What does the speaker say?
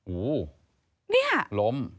โอ้โฮล้ม